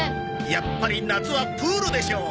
やっぱり夏はプールでしょう！